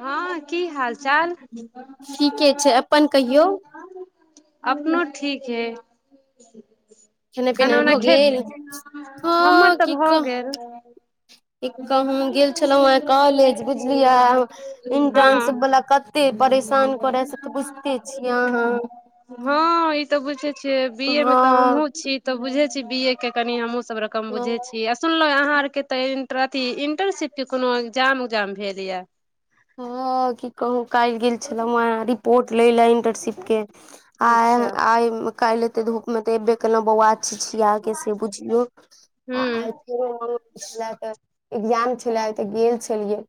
हाँ की हाल चाल ठीके छै अपन कहियौ अपनो ठीक है खेनाइ खाना पिनाइ उना भऽ खेल गेल हमर तऽ भऽ गेल एक कहु गेल छलौं हे कॉलेज बुझ बुझलियै इंट्रनशिप हँ वला कते परेशान करे से तऽ बुझते छियै अहाँ हाँ ई तऽ बुझे छियै बीए मे तऽ हमहहुँ छी तऽ बुझे छी बी ए के कनि हमूँ सब रकम हँ बुझे छी सुनलउहे आहाँ आर के त इंटर इंटर्नशिप के कोनो ए्गजाम जाम भेलया हाँ की कहूँ काल्हि गेल छलहुँ ये रिपोर्ट लै लए इंटर्नशिपके आ अच्छा आ काल ऐते धूपमेत ऐबे केलु है बौआ छीछीयिके से बुझलु हूँ आइ ए्गजाम छल आ तऽ गेल छलियै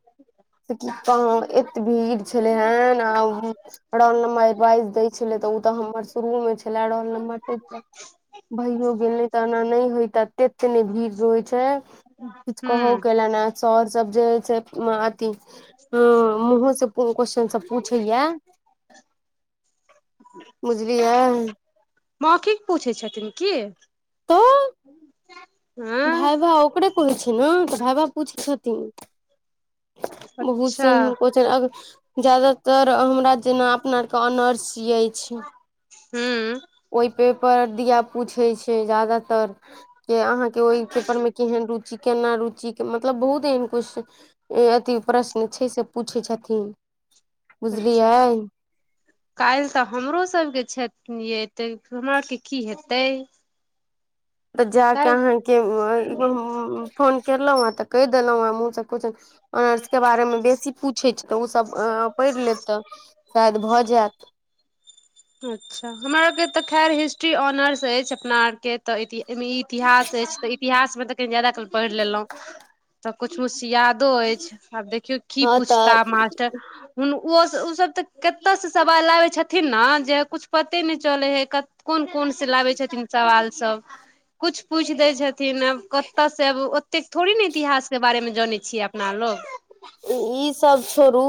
तऽ एते भीड़ छलै हेन आ उ रोल नम्बर एडवाइस दै छलै तऽ ओ तऽ हम हमर शुरुए मे छलै रोलनंबर भीड़ हो गेल तऽ एना नहि होय त तते ने भीड़ रहय छै [unintelligible] कुछ कहु हूँ केला ने सर सब जे छै अती ह मुँहो से क्वस्चन सब पूछैया बुझलियै मौखिक पूछै छथिन की तऽ हँ भाइ बा ओकरे कहै छै ने तऽ भइ बा पूछै छथिन बहुत अच्छा से एन क जादातर हमरा जेना अपना आर के ऑनर्स अछि [unintelligible] हू ओहि पेपर धिया पूछै छै जादातर के अहाँके ओहि पेपर मे केहन रुचि केना रुचि के मतलब बहुत एहन कुछ अथी प्रश्न छै से पूछै छथिन अच्छा बुझलियै काल्ह तऽ हमरो सबके छै यै तऽ हमरा आरके की हेतै तऽ जा कऽ काल्हि अहाँके आ फोन कलहुँ हेँ तऽ कहि देलहुँ हेँ मुँह चको च ऑनर्सके बारेमे बेसी पूछै छी तऽ उसभ पढ़ि लेब तऽ शायद भऽ जायत [unintelligible] अच्छा हमरा आरके खैर हिस्ट्री ऑनर्स ऐछ अपनार के इति इतिहास एछ ट इतिहास मे ते जादा क पढ़ि लेलहुँं तऽ कुछ कूछ यादो अछि आब देख की हँ पुछता तऽ मास्टर हुन ओ ओ सब तऽ कते से सवाल आबे छथिन ने जे कुछ पते न चले हे कोन कोन कोन से लाबै छथिन सवाल सब कुछ पूछ दै छथिन आब कतय से आब ओतेक थोड़े ने इतिहास के बारेमे जानै छियै अपना लोग ईसभ छोड़ू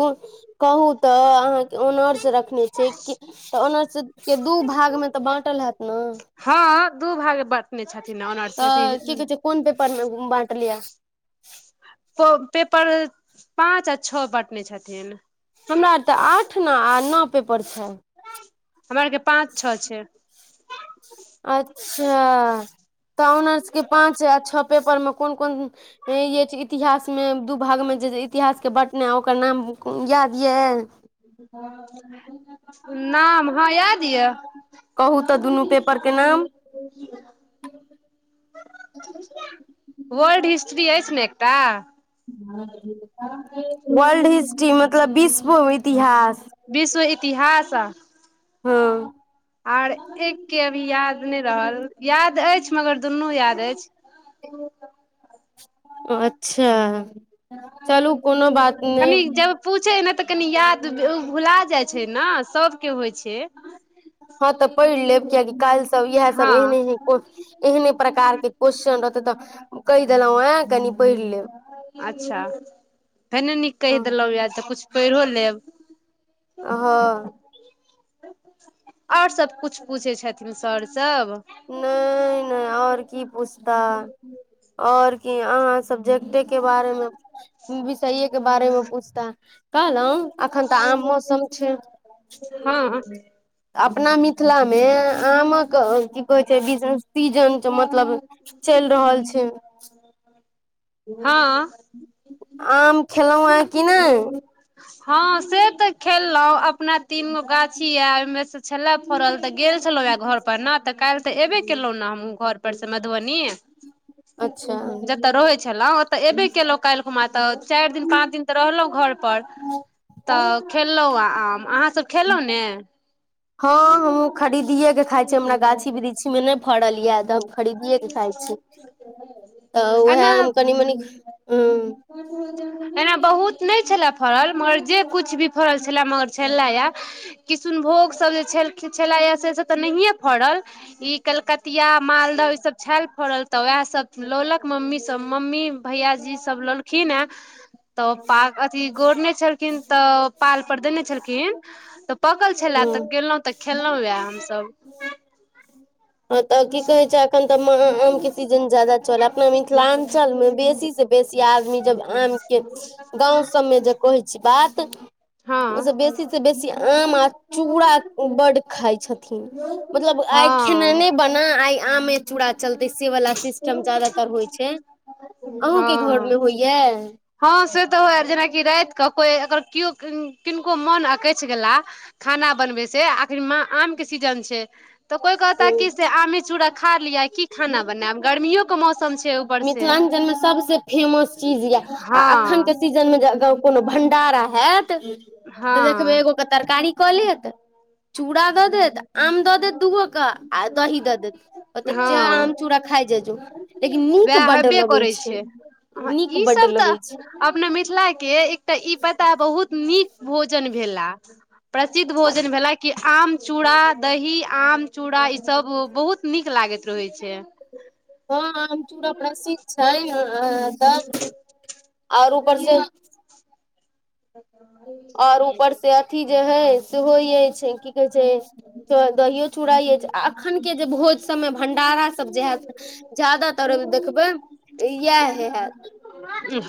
कहू त अहा के औनर्स रखने छि कि ऑनर्स के दू भ ाग मे तऽ बाँटल हैत ने हँ दू भाग बाटने तऽ की कहै छै कोन पेपरमे बाँटलियै पेपर पाँच आ छओ बँटने छथिन हमरा आर तऽ आठ न आ नओ पेपर छै हमरा आर के पाँच छौ छै अच्छा तऽ ऑनर्स के पाँच आ छौ पेपर मे कोन कोन य छै इतिहास मे दू भाग मे जे इतिहासके बँटने ओकर नाम याद य नाम हँ याद यए कहू दुनू पेपर के नाम [unintelligible] वर््ड हिस्ट्री एछै ने एकटा वर्ल्ड हिस्ट्री मतलब विश्व इतिहास विश्व इतिहास हँ आर एक के अभी याद नहि रहल याद अछि मगर दुूनू याद एछ अच्छा चलू कोनो बात कनी नहि जब पूछे नै तऽ कनि याद भुला जाइ छै ने सबके होइ छै हँ तऽ पैढ़ लेब कियकि काल्हि सब इएह सब हँ एहने एह एहने प्रकार के क्वेश्चन रहत तऽ कहि देलहुँं आ कनि पढ़ि लेब अच्छा फेरने नीक हँ कहि देलहुँ यएाद तऽ किछु पैढओ लेब हँ आओर सबकछ पूछै छथिन सर सब नहि नहि ओर की पूछता ओर की अहाँ सब्जेक्टे के बारेमे विषयेके बारेमे पूछता कहलहुँ अखन तऽ आम मौसम छै हँ अपना मिथिलामे आमक कहै छै बिजने पीजन मतलब चलि रहल छैय हँ आम खेलौ हे कि नै हँ से तऽ खेललहुं अपना तीन गो गाछी आय मे से छलले फरल तऽ गेल छलौं ह घर पर ने तऽ काल तऽ एबे केलहु ने हम घर मधुबनी अच्छा जतय रहै छल ओतय एबे केलहुँ कालहि म तऽ चारि दिन पाँच दिन तऽ रहलहुँ घर पर तऽ खेलौं आ अहाँसभ खेलहुँ ने हँ हम खरीदए के खाय छी हमरा गाछी वृक्षी मे ने फड़ल यऽ तऽ हम खरीदियए के खाइ छी तऽ उएहम एना कनि मनि ह्म एना बहुत नै छलए फड़ल मगर जे कुछ भी फड़ल छलए मगर छलेया किशुनभोग सब जे छलेए या से सब तऽ नहिए फड़ल ई कल तिया मालदह ईसभ छल फड़ल तऽ उएहसभ लौलक मम्मीसभ मम्मी भैयाजीसभ लोलखिन हेँ तऽ पा अथि गोरने छलखिन तऽ पाल पर देने छलखिन तऽ पाकल छलेए हूं तऽ गेलौं तऽ खेलौं यैए हमसब हँ तऽ की कहैत छै एखन तऽ आ आ आमके सीजन जादा चले अपना मिथिलाञ्चलमे बेसी से बेसी आदमी जब आम के गाँंव सबमे जे कहै छी बात हँ ओइसे बेसीसँ बेसी आम आ चूड़ा बड खाइ छथिन मतलब आइ खाना हँ नै बना आमे चूड़ा चलते से वला सिस्टम ज्यदातर होइ छैय हँ हँ से तऽ होए जेनाकि रात कऽ कोइ अगर केओ किनको मोन अकैछ गेला खाना बनबे से आख आम के सी सीजन छैय तऽ कोइ कहता कि से आमे चूड़ा खा लिअ की खाना बनायब गर्मियोे के मौस तल छियै ऊपर से मिथिलाञ्चल मे सबसे फेमस चीज ये आ अखन की कहै हँ छै जे सीजन में जे गउ कोनो भंडारा हैत तऽ देखबै हँ एगोक के तरकारी कऽ लेत चूड़ा दऽ देत आम दऽ देत दूगो के आ दही दऽ देत ओतऽ जें हँ आम चूड़ खा जाइजो वएह हबे करै छै ह नीक ई बड्ड सब तऽ लगै छै अपना मिथिला के एकटा ई पता बहुत नीक भोजन भेला प्रसिद्ध भोजन भेला कि आम चूड़ा दही आम चूड़ा ई सब बहुत नीक लागैत रहै छै हँ अ चूड़ प्रसिद्ध छैय अंऽ तब आओर ऊपर से आओर ऊपर से अथी जे हइ सेहो यइ की कहै छै तऽ दहीयो चुड़ा अछि अखन सब के भोज सबमे भंडारा सब जे हैत जादातर देखबै इयेह हे हैत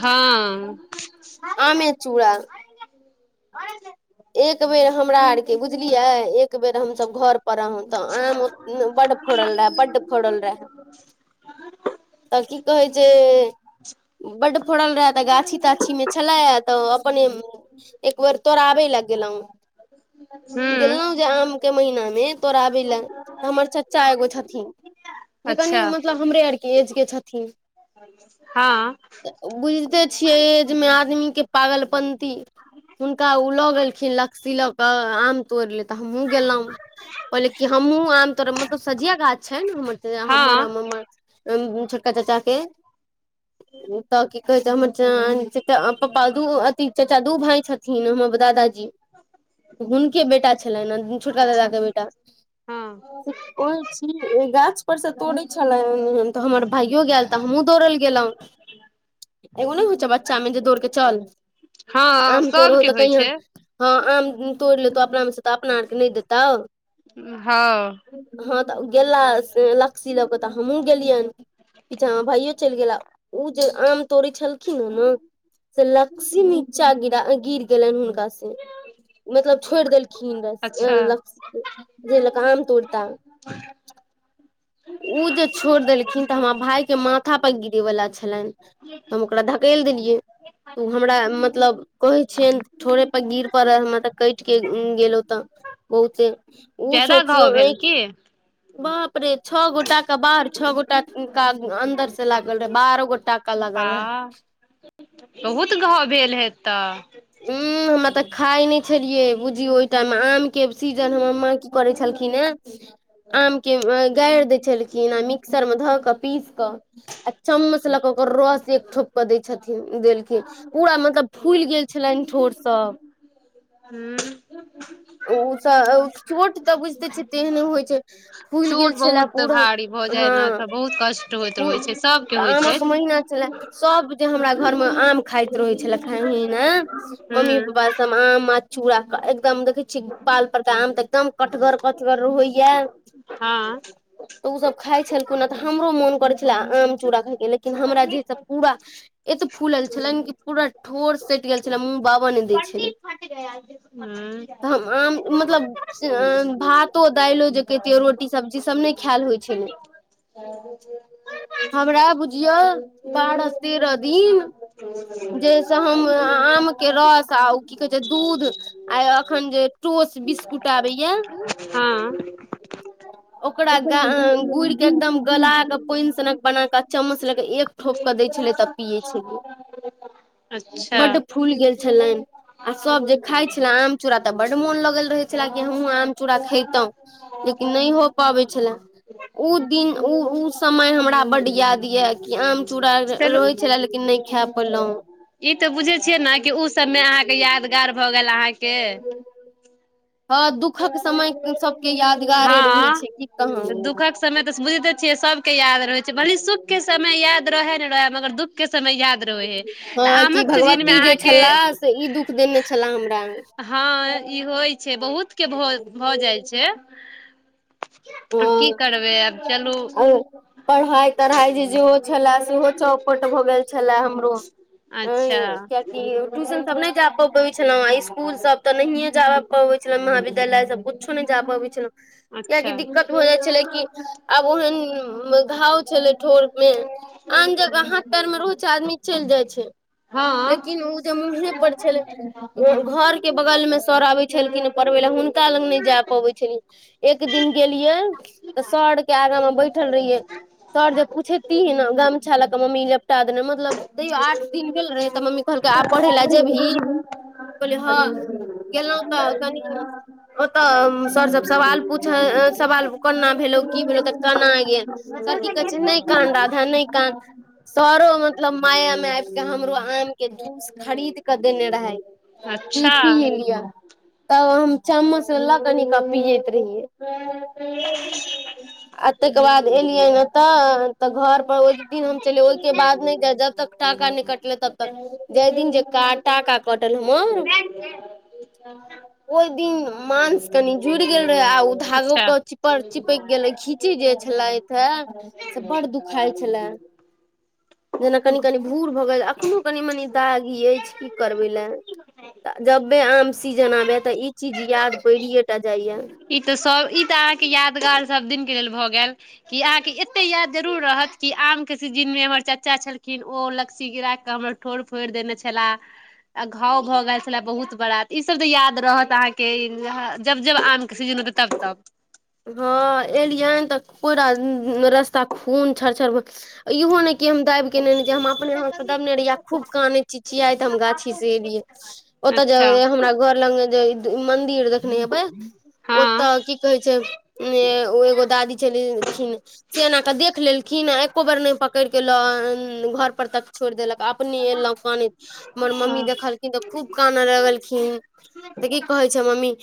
हँ आमे चूड़ा एक बेर हमरा आरके बुझलियै एक बेर हमसभ घर पर रहू तऽ आम बड बड फोड़ल रहे बड्ड फोड़ल रहे तऽ की कहै छैय बड्ड फड़ल रहे तऽ गाछी ताछी मे छले तऽ अपन एक बेर तोड़ाबे ले गेल रहिये गेलहुँ हूँ गेलहुँ जे आमके महीनामे तोराबै लऽ हमर चचा एगो छथिन जे कनि अच्छा मतलब हमरे आरके एजके छथिन हँ बुझते छियै अय एज मे आदमी के पागल पंती हुनका ओ ल गेल की लकसी लऽ क आम तोड़ ले तऽ हमहुँ गेलहु पहिले क हमहूँ आम तोड़ मतलब सछिया गाछ छै हमर आ हँ हम छोटका चाचा के तऽ की कहै छै हमर पापा दू अथि चाचा दू भाय छथिन हमर दादाजी हुनके बेटा छलनि ने छोटका दादा अच्छा के बेटा हँ गाछ पर से तोड़े छलै तऽ हमर भाइयो गेल तऽ हमहुँ दौड़ल गेलहुँ एगो नहि होइ छै बच्चामे जे दौड़के चल हँ आम तोर हो सबके तऽ होइ छै कहि हँ आम तोड़ि लेतहु अपनामे से तऽ अपना आरके नहि देतउ हँ गेला लकसी लऽ कऽ तऽ हमहूँ गेलियनि पीछामे भाइयो चलि गेला ओ जे आम तोड़ै छलखिन ह नऽ से लकसी नीचा गिरा गिर गेललन हुनकासे मतलब छोड़ि देलखिन रस अच्छा लक लकसि जय लऽ के आम तोड़ता [unintelligible] ओ जे छोड़ देलखिन तऽ हमर भायके माथापर गिरेवला छलनि हम ओकरा धकेलि देलियै तऽ ओ हमरा मतलब कहै छियनि ठौड़े पर गिर पड़ल हमरा तऽ कटि कऽ गेलहुँ तऽ बहुते उ ज्यादा सोचियो घाव अइ भेल की बाप रे छओ गोटा के बाहर छओ गोटा का अन्दर से लागल रहे बारह गोटा का बा लागल रहे बहुत घाव भेल हेतऽ त हू हमरा त खाइ नहि छलियै बुझियौ ओहि टाइममे आमके सीजन हमर माँ की करै छलखिन हे आम के गड़ि दै छलखिन आ मि मिक्सर मे ध के पीस के आ चम्मच ल के ओकर रस एक ठोप के दय छथिन देलखिन पूरा मतलब फुलि गेल छलनि ठोर सब हँ ओ चोट तऽ बुझिते छ तेहन होइ छै फूलि गेल चोट छलए बहुत पूरा भारी भऽ जाय हँ ने तऽ बहुत कष्ट होइत फूल रहै छै सबके होइ छै आमक महिना छलए सब जे हमरा घर मे आम खाइत रहै छलख हे ने मम्मी हूँ पापा सब आम चूड़ा एकदम देखै छीय बाल पर त आम तऽ एकदम कटगर कटगर रहैया हँ हूँ तऽ ओसभ खाइ छलखु ह तऽ हमरो मोन करैत छले आम चूड़ा खाायके लेकिन हमरा जे से पूरा फूलल छलनि कि पूरा ठोर सटि गेल छलै मुँह बाबा नहि दै छलै हँ तऽ हम आम मतलब भातो दालिओ जे कहितियै रोटी सब्जी सभ नहि खायल होइ छलै आ [unintelligible] हमरा बुझिय बारह तेरह दिन जैसे हम आम के रस आ की कहे छै दूध आ अखन जे टोस बिस्कुट आबैय हँ ओकरा गा गुड़ के एकदम गला क पानि सनक बना क चम्मच लेके एक ठोप क दै छलै तब पियए छलियै ह बड फूल गेल छलनि आ सब जे खाइ छले आम चूड़ा तऽ बड्ड मोन लगल रहै छले कि हमहूँ आम चूड़ा खैतहुँ लेकिन नहि हो पबैत छले ओ दिन ओ ओ समय हमरा बड्ड याद यए कि आम चूड़ा चलू रहै छलए लेकिन नहि खै पेलो ई तऽ बुझै छियै ने कि ओ सभमे अहाँके यादगार भऽ गेल अहाँके हँ दुःखक समय सब रोजगार हँ होइ छै तऽ दुःखक समय तऽ बुझिते छियै सबके याद रहै छै भली सुख के समय याद रहे न रहै मगर दुःख के समय याद रहै त हँ कि आमक सीजन मे भगवती जे अहके छलाह से ई दुःख देने छलाह हमरा हँ ई होइ छै बहुतके भ भऽ जाइत छै की कर पढ़ाई तढ़ाई जे जेहो छले सेहो चौपट भऽ गेल छले अच्छा कियि ट्यशन सब नहि जा प छल स्कुल सब तऽ नहियए जा पबै छल विद्यालय सब कुछो नहि जा पबै छल कियाकि अच्छा द भ जाइ छलै कि आब ओहन घाव छलै ठोर मे आन जगह र मे रोच आदमी चलि जाइ छै हँ लेकिन ओ जे मुँहे पर छल के बगल में सर आबै छलखिन पढ़बै ल हुनका लग नहि जाय पबै छलनि एक दिन एक दिन सर के आगा में बैठल रहिये सर जे पूछेतिह ने गामछा लऽ कऽ मम्मी लपटा देने मतलब तैयो आठ दिन भेल रहे तऽ मम्मी आ पढ़ ल जे भी अ ओतऽ सर सब सवाल पूछ [unintelligible] सवाल कोना भेलौ की भेलौ तऽ कना गेल सब की कहै छै नहि कान राधा नहि कान सरो मतलब माया मे आब के हमरो आम के जूस खरीद के देने रहे ई अच्छा पिय लिअ तब हम चम्मच व कनिक पिय बेर आ ताके बाद एलियै ने तऽ तऽ घर पर ओहि दिन हम चिय ओहिके बाद नहि जाय जब तक टाका नहि कटले तब तऽ जाहि दिन जे टाका कटल हमर ओहि दिन मांस कनि जुड़ि गेल रहे आ अच्छा चिपड़ चिपक गेलै घींची जे छलेथे से बड़ दुखाइ छले जेना कनि कनि भूर भऽ गेल एखननो कनि मनी दागी अछि की करबै लए तऽ जबबे आम सीजन आबै तऽ ई चीज याद परिये टा जाइए ई ते सब ई ते अहाँ के यादगार सब दिन के लेल भए गेल अहाँ एते याद जरुरर रहत कि आम के सीजन मे हमर चाचा छलखिन ओ लकीसी गिरा के हमरा ठोड़ फोड़ि देने छे आ घाव भऽ गेल छले बहुत बड़ा ई सब तऽ याद रहत अहाँके जब जब आम किस सीजन होताई तब तब हँ एलियनि तऽ पूरा रस्ता खून छर छर इहो नहि के हम दाबि केने हम अपने याथ से दबने रहिै आ खूब कानै छी छियाय तऽ हम गाछी से एलियै ओतए अच्छा जे हमरा घर लग मे जे मंदिर देखने हेबे हँ ओतए की कहे छै। एगो दादी छलखिन से एना के देख लेलखिन आ एको बेर नहि पकड़ के लऽ घर पर तक छोड़ देलक अपने एलहु कानइत मम्मी हँ देखलखिन त खूब काना लगलखिन तऽ की कहै छै मम्मी